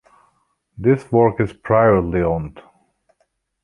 This work is privately owned.